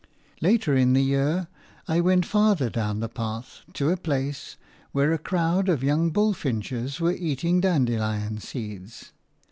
Later in the year I went farther down the path to a place where a crowd of young bulfinches were eating dandelion seeds.